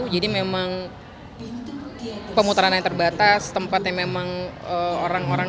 jadi memang pemutaran yang terbatas tempat yang memang orang orang